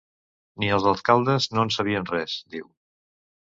Ni els alcaldes no en sabien res, diu.